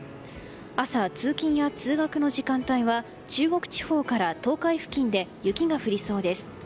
朝、通勤や通学の時間帯は中国地方から東海付近で雪が降りそうです。